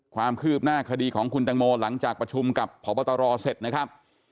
ความคืบหน้าคดีของคุณตังโมหลังจากประชุมกับพบตรเสร็จนะครับ